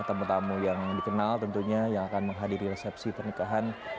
tamu tamu yang dikenal tentunya yang akan menghadiri resepsi pernikahan